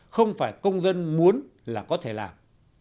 không phải công dân muốn là có thể làm